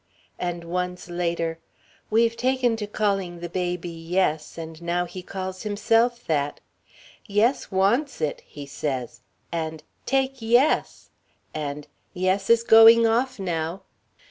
And once later: "We've taken to calling the baby 'Yes,' and now he calls himself that. 'Yes wants it,' he says, and 'Take Yes,' and 'Yes is going off now.'